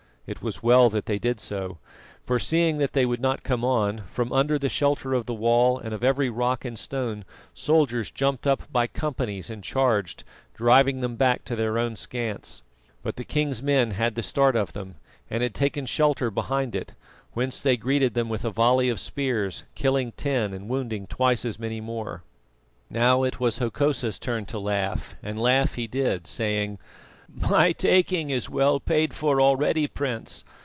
It was well that they did so, for seeing that they would not come on, from under the shelter of the wall and of every rock and stone soldiers jumped up by companies and charged, driving them back to their own schanse. But the king's men had the start of them, and had taken shelter behind it, whence they greeted them with a volley of spears, killing ten and wounding twice as many more. Now it was Hokosa's turn to laugh, and laugh he did, saying: "My taking is well paid for already, Prince.